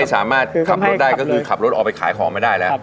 สามารถขับรถได้ก็คือขับรถออกไปขายของมาได้แล้ว